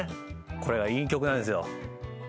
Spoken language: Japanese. これがいい曲なんですよ。